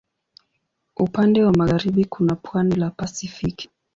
Upande wa magharibi kuna pwani la Pasifiki.